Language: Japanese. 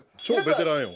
超ベテランやろ。